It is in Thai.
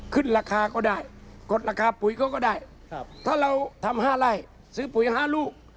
ขึ้นราคาก็ได้กดราคาปุ๋ยเขาก็ได้ถ้าเราทำ๕ไร่ซื้อปุ๋ย๕ลูก